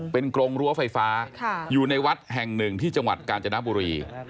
เป็นกรงรั้วไฟฟ้าอยู่ในวัดแห่งหนึ่งที่จังหวัดกาญจนบุรี